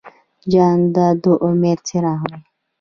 جانداد د امید څراغ دی.